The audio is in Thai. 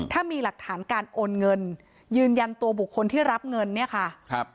ถ้ามีหลักฐานการโอนเงินยืนยันตัวบุคคลที่รับเงินเนี่ยค่ะครับ